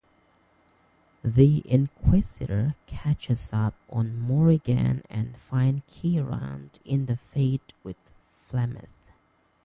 The Inquisitor catches up to Morrigan and find Kieran in the Fade with Flemeth.